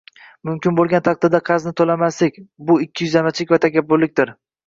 Mumkin bo'lgan taqdirda qarzni to'lamaslik - bu ikkiyuzlamachilik va takabburlikdir